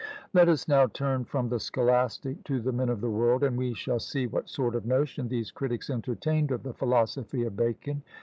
Let us now turn from the scholastic to the men of the world, and we shall see what sort of notion these critics entertained of the philosophy of Bacon.